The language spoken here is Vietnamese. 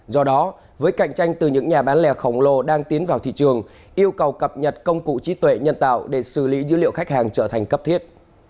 do đó với cạnh tranh từ những nhà bán lẻ khổng lồ đang tiến vào thị trường yêu cầu cập nhật công cụ trí tuệ nhân tạo để xử lý dữ liệu khách hàng trở thành cấp thiết